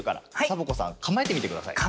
サボ子さんかまえてみてください。